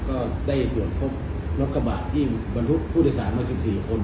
ก็ได้ตรวจพบรถกระบะที่บรรทุกผู้โดยสารมา๑๔คน